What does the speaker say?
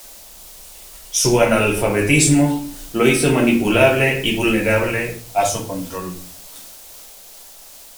Su analfabetismo lo hizo manipulable y vulnerable a su control.